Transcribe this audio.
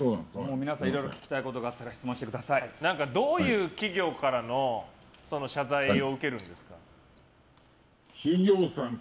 皆さん、いろいろ聞きたいことどういう企業からの謝罪を受けるんですか？